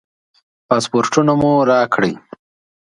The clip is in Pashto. پاسپورټونه مو راکړئ.